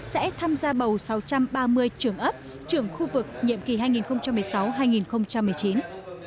sẽ tham gia bầu sáu trăm ba mươi trưởng ấp trưởng khu vực nhiệm kỳ hai nghìn một mươi sáu hai nghìn một mươi chín